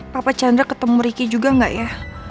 papa chandra ketemu riki juga gak ya